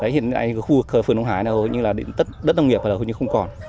hiện tại khu vực phường nông hải hầu như là đất nông nghiệp hầu như không còn